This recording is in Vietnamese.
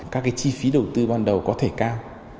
các chi phí đầu tư ban đầu có thể cao